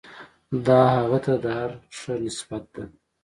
دا هغه ته د هر ښه نسبت ده.